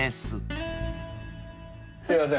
すいません。